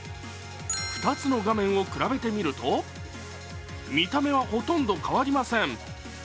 ２つの画面を比べてみると見た目はほとんど変わりません。